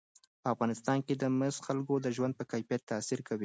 په افغانستان کې مس د خلکو د ژوند په کیفیت تاثیر کوي.